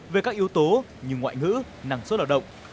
về các yếu tố như ngoại ngữ năng suất lao động